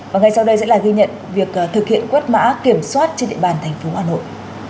và ngay sau đây sẽ là ghi nhận việc thực hiện quét mã kiểm soát trên địa bàn thành phố hà nội